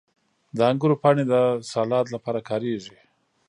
• د انګورو پاڼې د سالاد لپاره کارېږي.